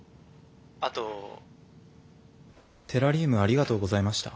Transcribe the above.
あとテラリウムありがとうございました。